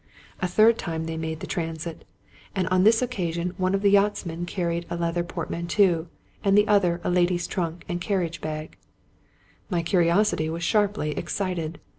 A third time they made the transit ; and 163 Scotch Mystery Stories on this occasion one of the yachtsmen carried a leather port manteau, and the others a lady's trunk and carriage bag. My curiosity was sharply excited.